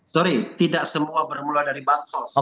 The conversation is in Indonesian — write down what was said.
sorry tidak semua bermula dari bansos